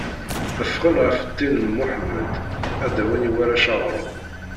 Ffɣen ɣef ddin n Muḥemmed, ad d-awin i warrac aɣrum.